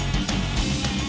terima kasih chandra